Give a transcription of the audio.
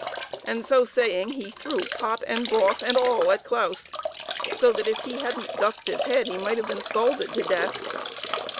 And so saying, he threw pot and broth and all at Claus, so that if he hadn't ducked his head he might have been scalded to death.